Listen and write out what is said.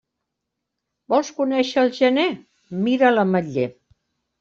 Vols conèixer el gener? Mira l'ametller.